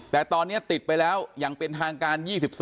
แต่ตอนนี้ติดไปแล้วอย่างเป็นทางการ๒๓